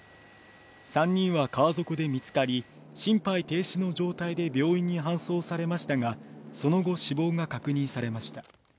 ３人は川底で見つかり、心肺停止の状態で病院に搬送されましたが、その後死亡が確認されました。